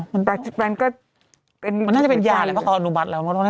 มันน่าจะเป็นยาแล้วเพราะเขาอนุบัติแล้ว